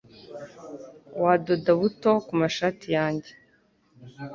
Wadoda buto kumashati yanjye?